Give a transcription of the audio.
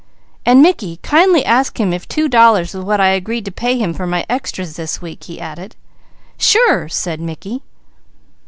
"And Mickey, kindly ask him if two dollars was what I agreed to pay him for my extras this week." "Sure!" said Mickey.